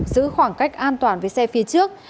giữ khoảng cách an toàn với xe phía trước